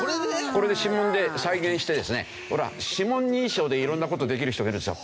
これで指紋で再現してですねほら指紋認証で色んな事できる人がいるでしょ。